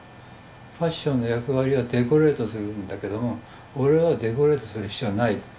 ファッションの役割はデコレートするんだけども俺はデコレートする必要はない。